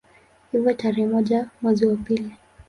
Hivyo tarehe moja mwezi wa pili